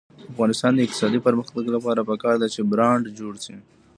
د افغانستان د اقتصادي پرمختګ لپاره پکار ده چې برانډ جوړ شي.